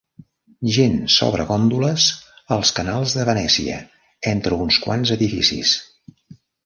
Gent sobre góndoles als canals de Venècia, entre uns quants edificis.